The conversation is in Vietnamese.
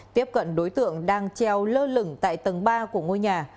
tiếp cận đối tượng đang treo lơ lửng tại tầng ba của ngôi nhà